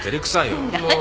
もう。